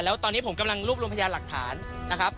แล้วตอนนี้ผมกำลังรวบรวมพยานหลักฐานนะครับ